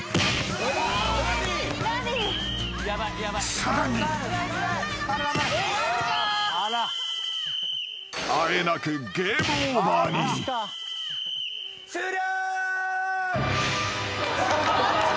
［さらに］［あえなく］終了！